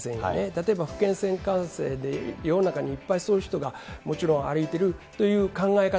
例えば感染で、世の中にいっぱいそういう人が歩いてるという考